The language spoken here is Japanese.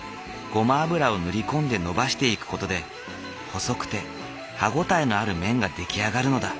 ごま油を塗り込んで延ばしていく事で細くて歯応えのある麺が出来上がるのだ。